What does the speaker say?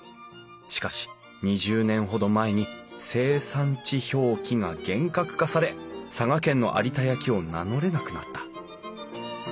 しかし２０年ほど前に生産地表記が厳格化され佐賀県の有田焼を名乗れなくなった。